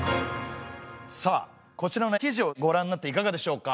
さあこちらの記事をごらんになっていかがでしょうか？